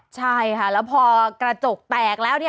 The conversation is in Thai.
ใช่ค่ะแล้วพอกระจกแตกแล้ว